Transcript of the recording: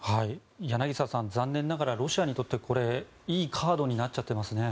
柳澤さん残念ながらこれはロシアにとって、いいカードになっちゃってますね。